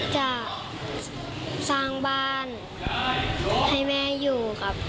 จะสร้างบ้านให้แม่อยู่ครับ